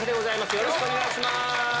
よろしくお願いします。